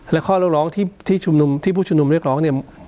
และข้อเร็วร้องที่ผู้ชุมนุมเรียกร้อง